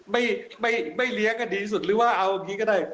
ไม่เลี้ยงกันดีสุดหรือว่าเอาอย่างนี้ก็ได้